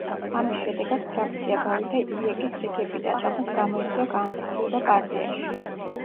ამის შედეგად ფრაქცია გავიდა იეკ-ის რიგებიდან, რამაც გამოიწვია განხეთქილება პარტიაში.